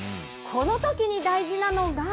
このときに大事なのが。